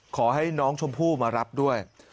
ขอให้น้องชมพู่มารับด้วย